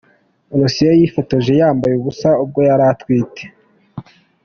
Rosie yifotoje yambaye ubusa ubwo yari atwite.